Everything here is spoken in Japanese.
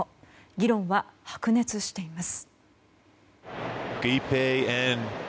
議論は白熱しています。